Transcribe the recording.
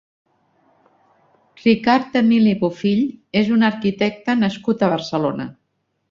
Ricard Emili Bofill és un arquitecte nascut a Barcelona.